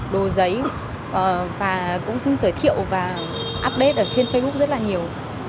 đồ giấy và cũng giới thiệu và update ở trên facebook rất là nhiều